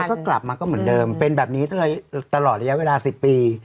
ก็กลับมาก็เหมือนเดิมเป็นแบบนี้ตลอดระยะเวลา๑๐ปี